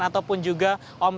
ataupun juga omset